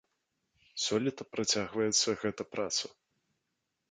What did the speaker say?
Сёлета працягваецца гэта праца.